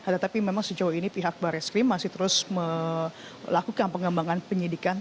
tetapi memang sejauh ini pihak barreskrim masih terus melakukan pengembangan penyidikan